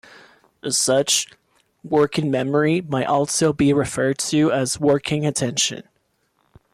As such, working memory might also be referred to as "working attention".